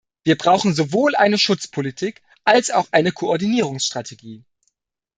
Wir brauchen sowohl eine Schutzpolitik, als auch eine Koordinierungsstrategie.